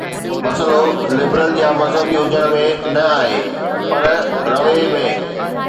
مسئلو لبرل يا مذهبي هجڻ ۾ نه آهي، پر رويي ۾.